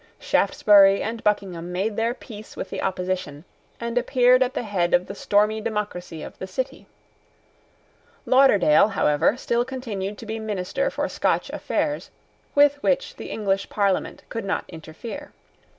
Shaftesbury and Buckingham made their peace with the opposition, and appeared at the head of the stormy democracy of the city. Lauderdale, however, still continued to be minister for Scotch affairs, with which the English Parliament could not interfere.